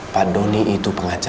pak doni itu pengacaranya